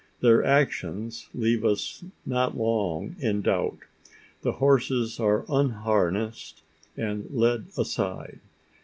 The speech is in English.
Their actions leave us not long in doubt. The horses are unharnessed and led aside.